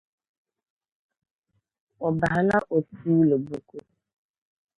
O bahila o tuuli buku.